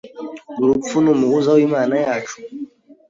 urupfu ni umuhuza w’Imana yacu ?